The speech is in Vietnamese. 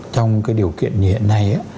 trong cái điều kiện như hiện nay